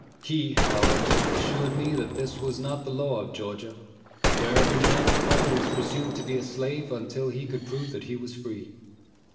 He, however, assured me that this was not the law of Georgia, where every man of color was presumed to be a slave until he could prove that he was free.